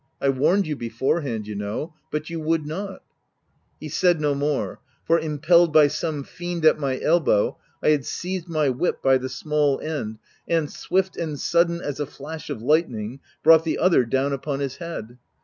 I warned you beforehand, you know, but you would not —" He said no mdre ; for, impelled by some fiend at my elbow, I had seized my whip by the small end, and— swift and sudden as a flash of lightning— brought the other down upon his head.